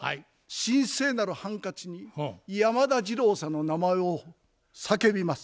神聖なるハンカチに山田じろうさんの名前を叫びます。